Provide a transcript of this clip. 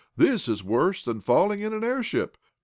"This is worse than falling in an airship!